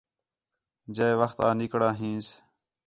جئے وخت آں نِکڑا ہینس